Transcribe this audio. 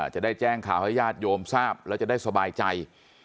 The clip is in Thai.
จะได้แจ้งข่าวให้ญาติโยมทราบแล้วจะได้สบายใจ